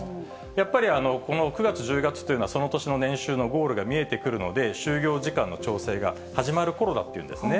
やっぱりこの９月、１０月というのは、その年の年収のゴールが見えてくるので、就業時間の調整が始まるころだっていうんですね。